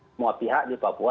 semua pihak di papua